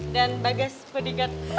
dan bagas bodyguard